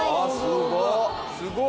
すごい。